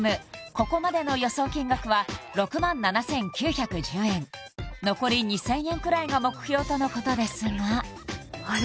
ここまでの予想金額は６万７９１０円残り２０００円くらいが目標とのことですがあれ